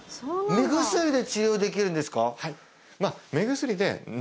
目薬で治療できるんですか？